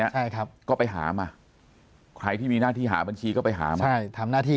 ใช่ครับก็ไปหามาใครที่มีหน้าที่หาบัญชีก็ไปหามาใช่ทำหน้าที่